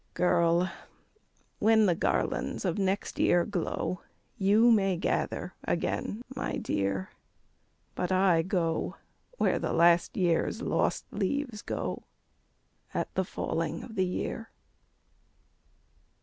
Girl! when the garlands of next year glow, YOU may gather again, my dear But I go where the last year's lost leaves go At the falling of the year."